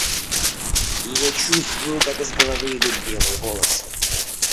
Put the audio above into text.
Я чувствую, как из головы идут белые волосы.